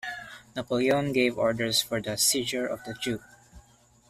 Napoleon gave orders for the seizure of the duke.